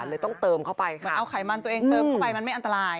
เลยต้องเติมเข้าไปมันเอาไขมันตัวเองเติมเข้าไปมันไม่อันตราย